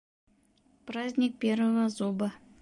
Праздник первого зуба